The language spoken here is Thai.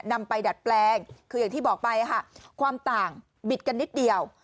นำไปดัดแปลงคืออย่างที่บอกไปค่ะความต่างบิดกันนิดเดียว